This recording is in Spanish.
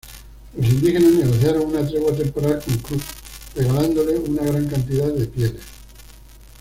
Los indígenas negociaron una tregua temporal con Crook, regalándole una gran cantidad de pieles.